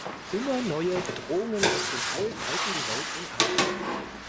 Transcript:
Immer neue Bedrohungen aus dem All halten die Welt in Atem.